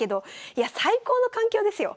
いや最高の環境ですよ。